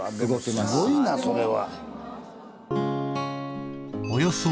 すごいなそれは！